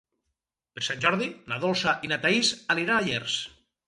Per Sant Jordi na Dolça i na Thaís aniran a Llers.